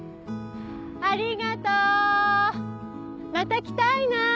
ありがとう！また来たいな！